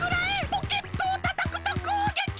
ポケットをたたくとこうげき！